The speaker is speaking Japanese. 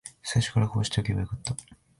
最初からこうしておけばよかった